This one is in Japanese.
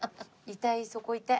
痛いそこ痛い。